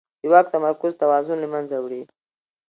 د واک تمرکز توازن له منځه وړي